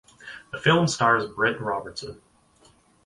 The film stars Britt Robertson.